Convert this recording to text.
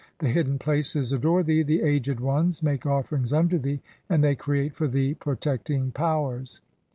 The hidden places "adore thee, the aged ones make offerings unto thee, and they "create for thee protecting powers.